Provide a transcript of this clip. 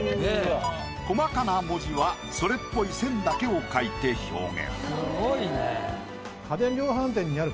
細かな文字はそれっぽい線だけを描いて表現。